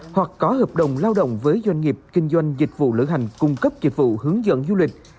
hoặc có hợp đồng lao động với doanh nghiệp kinh doanh dịch vụ lữ hành cung cấp dịch vụ hướng dẫn du lịch